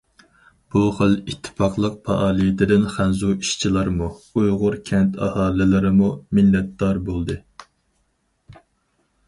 بۇ خىل ئىتتىپاقلىق پائالىيىتىدىن خەنزۇ ئىشچىلارمۇ، ئۇيغۇر كەنت ئاھالىلىرىمۇ مىننەتدار بولدى.